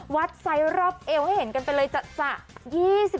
วัดไซส์รอบเอวให้เห็นกันเลยจัดจัด